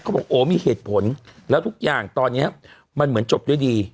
บอกโอ้มีเหตุผลแล้วทุกอย่างตอนนี้มันเหมือนจบด้วยดี